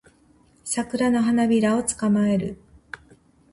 サクラの花びらを捕まえる